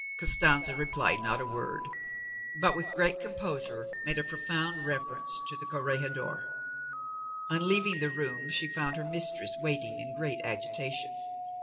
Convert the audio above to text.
Costanza replied not a word, but with great composure made a profound reverence to the corregidor. On leaving the room she found her mistress waiting in great agitation.